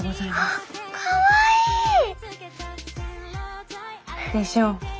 あっかわいい！でしょう。